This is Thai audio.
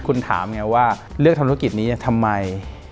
คุณถามไงว่าเลือกทำธุรกิจนี้ทำไม